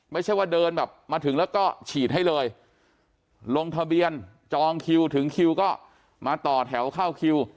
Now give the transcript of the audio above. ไม่ใช่ว่าเดินแบบมาถึงแล้วก็ฉีดให้เลยลงทะเบียนจองคิวถึงคิวก็มาต่อแถวเข้าคิว